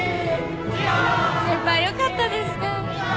先輩よかったですね。